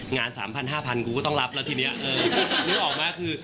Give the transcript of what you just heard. งาน๓๐๐๐๕๐๐๐กูก็ต้องรับแล้วทีนี้นึกออกมั้ยคือ